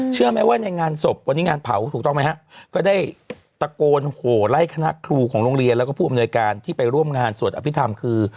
เชื่อไหมว่าในงานศพวันนี้งานเผาถูกต้องไหมฮะก็ได้ตะโกนโหไล่คณะครูของโรงเรียนแล้วก็ผู้อำนวยการที่ไปร่วมงานสวดอภิษฐรรมคือ